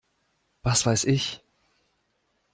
Was weiß ich!